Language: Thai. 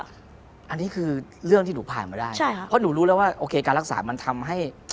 อันนี้คือเรื่องที่หนูผ่านมาได้ใช่ค่ะเพราะหนูรู้แล้วว่าโอเคการรักษามันทำให้